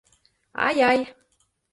Ай-ай!»